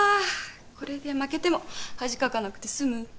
これで負けても恥かかなくて済む。